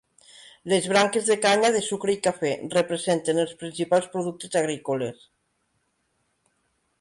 Les branques de canya de sucre i cafè: Representen els principals productes agrícoles.